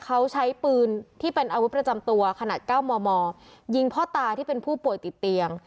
เขาใช้ปืนที่เป็นอาวุธประจำตัวขนาด๙มมยิงพ่อตาที่เป็นผู้ป่วยติดเตียง